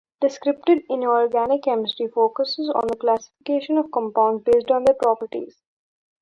Descriptive inorganic chemistry focuses on the classification of compounds based on their properties.